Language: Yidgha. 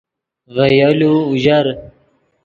ڤے یولو اوژر